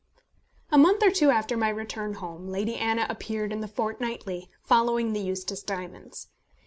A month or two after my return home, Lady Anna appeared in The Fortnightly, following The Eustace Diamonds.